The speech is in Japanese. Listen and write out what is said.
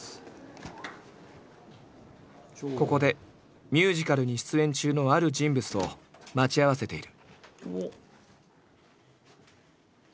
ここでミュージカルに出演中のある人物と待ち合わせている。